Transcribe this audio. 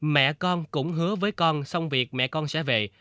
mẹ con cũng hứa với con xong việc mẹ con sẽ về